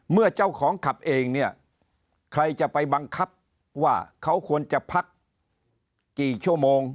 เมื่อเจ้าของขับเองเนี่ยใครจะไปบังคับว่าเขาควรจะพักกี่ชั่วโมง